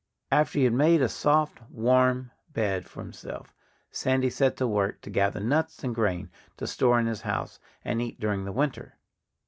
After he had made a soft, warm bed for himself, Sandy set to work to gather nuts and grain, to store in his house and eat during the winter.